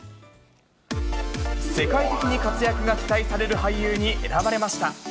世界的に活躍が期待される俳優に選ばれました。